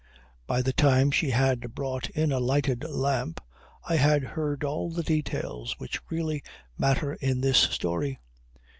By the time she had brought in a lighted lamp I had heard all the details which really matter in this story.